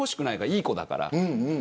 いい子だから。